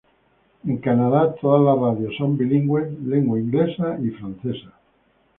En Canadá, todas las radios son bilingües lengua inglesa y lengua francesa.